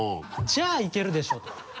じゃあいけるでしょうと。